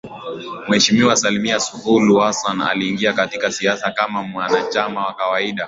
Mheshimiwa Samia Suluhu Hassan aliingia katika siasa kama mwanachama wa kawaida